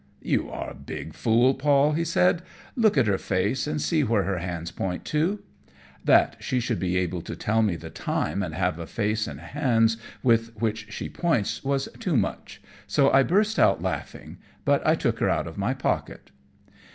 "You are a big fool, Paul," he said; "look at her face, and see where her hands point to." That she should be able to tell me the time, and have a face and hands, with which she points, was too much, so I burst out laughing, but I took her out of my pocket.